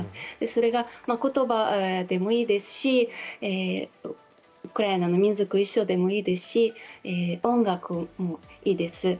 それが、ことばでもいいですしウクライナの民族衣装でもいいですし、音楽もいいです。